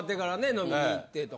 飲みに行ってとか。